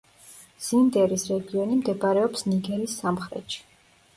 ზინდერის რეგიონი მდებარეობს ნიგერის სამხრეთში.